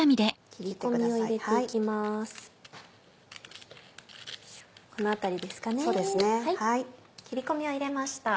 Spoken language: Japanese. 切り込みを入れました。